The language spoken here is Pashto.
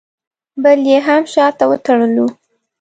بل یې هم شاته وتړلو.